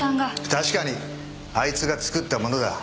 確かにあいつが作ったものだ。